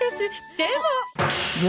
でも！